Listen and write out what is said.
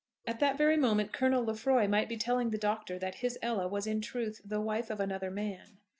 At that very moment Colonel Lefroy might be telling the Doctor that his Ella was in truth the wife of another man.